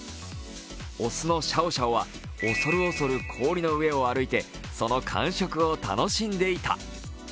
雄のシャオシャオは恐る恐る氷の上を歩いてその感触を楽しんでいた。